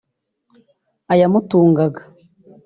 ayamutungaga